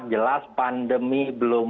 jelas pandemi belum